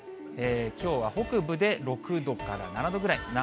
きょうは北部で６度から７度ぐらい。